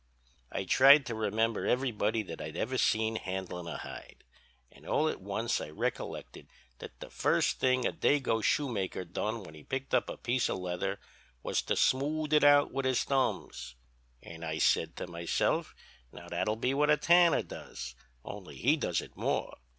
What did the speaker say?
"'I tried to remember everybody that I'd ever seen handlin' a hide, and all at once I recollected that the first thing a dago shoemaker done when he picked up a piece of leather was to smooth it out with his thumbs. An' I said to myself, now that'll be what a tanner does, only he does it more....